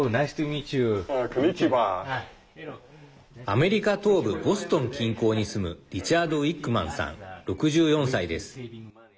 アメリカ東部ボストン近郊に住むリチャード・ウィックマンさん６４歳です。